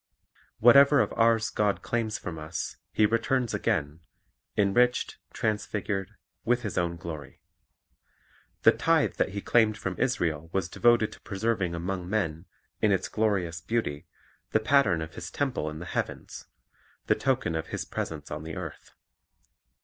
Whatever of ours God claims from us, He returns again, enriched, transfigured, with The sabbath hj s own glory. The tithe that He claimed from Israel a Sign ° J was devoted to preserving among men, in its glorious beauty, the pattern of His temple in the heavens, the token of His presence on the earth.